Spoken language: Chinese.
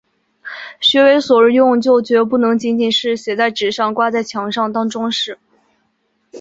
学为所用就决不能仅仅是写在纸上、挂在墙上当‘装饰’